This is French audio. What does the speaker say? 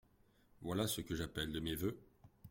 Voilà ce que j’appelle de mes vœux.